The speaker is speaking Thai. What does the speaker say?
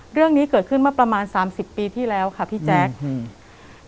เรื่องนี้เกิดขึ้นเมื่อประมาณสามสิบปีที่แล้วค่ะพี่แจ๊คอืม